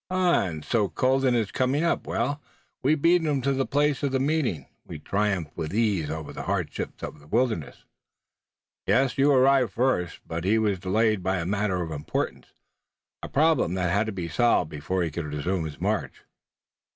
"And so Colden is coming up? Well, we beat him to the place of meeting. We've triumphed with ease over the hardships of the wilderness." "Yes, you arrived first, but he was delayed by a matter of importance, a problem that had to be solved before he could resume his march."